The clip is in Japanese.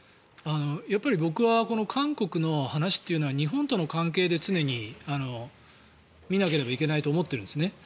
やっぱり僕は韓国の話というのは日本との関係で常に見なければいけないと思ってるんですね。